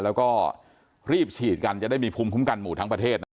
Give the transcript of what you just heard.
แล้วก็รีบฉีดกันจะได้มีภูมิคุ้มกันหมู่ทั้งประเทศนะ